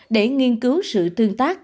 để nghiên cứu sự tương tác